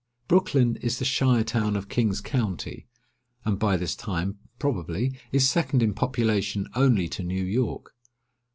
Brooklyn is the shire town of King's County, and by this time, probably, is second in population only to New York.